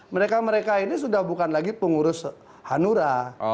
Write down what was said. mereka mereka ini sudah bukan lagi pengurus hanura